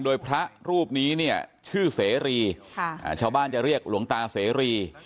โดยพระรูปนี้เนี่ยชื่อเสรีชาวบ้านจะเรียกหลวงตาเสรี